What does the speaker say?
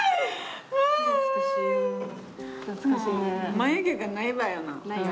眉毛がないばよな。